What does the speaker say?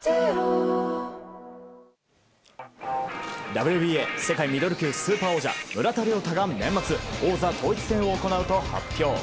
ＷＢＡ世界ミドル級スーパー王者村田諒太が年末王座統一戦を行うと発表。